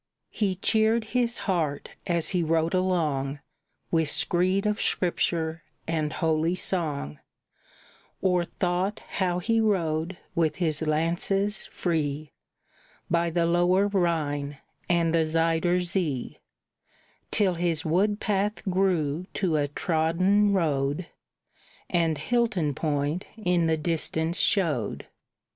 He cheered his heart as he rode along With screed of Scripture and holy song, Or thought how he rode with his lances free By the Lower Rhine and the Zuyder Zee, Till his wood path grew to a trodden road, And Hilton Point in the distance showed.